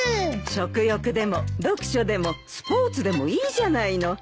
食欲でも読書でもスポーツでもいいじゃないの。